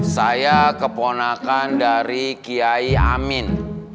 saya keponakan dari kiai amin